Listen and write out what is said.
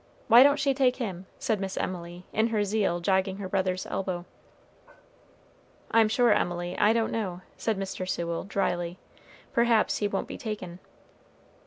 Why don't she take him?" said Miss Emily, in her zeal jogging her brother's elbow. "I'm sure, Emily, I don't know," said Mr. Sewell dryly; "perhaps he won't be taken."